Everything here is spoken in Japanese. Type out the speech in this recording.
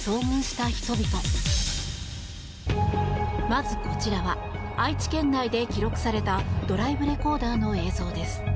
まず、こちらは愛知県内で記録されたドライブレコーダーの映像です。